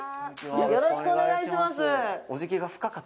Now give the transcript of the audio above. よろしくお願いします